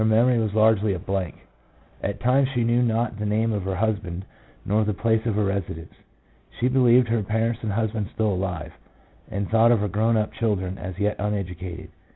MEMORY. 5g blank. At times she knew not the name of her husband nor the place of her residence. She believed her parents and husband still alive, and thought of her grown up children as yet uneducated.